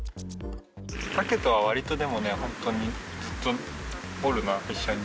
タケとはわりとでもね、本当にずっとおるな、一緒に。